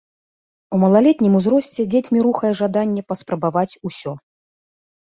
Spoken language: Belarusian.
У малалетнім узросце дзецьмі рухае жаданне паспрабаваць усё.